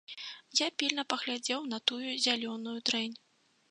Я пільна паглядзеў на тую зялёную дрэнь.